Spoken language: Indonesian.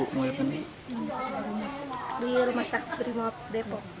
di rumah sakit brimob depok